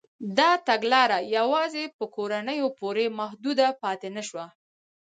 دا تګلاره یوازې په کورنیو پورې محدوده پاتې نه شوه.